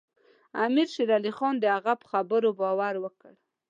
امیر شېر علي خان د هغه په خبرو باور وکړ.